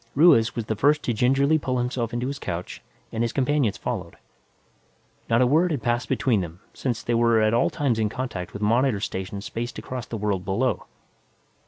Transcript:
Ruiz was the first to gingerly pull himself into his couch and his companions followed. Not a word had passed between them, since they were at all times in contact with monitor stations spaced across the world below.